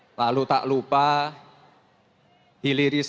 kis lalu tak lupa hilirisasi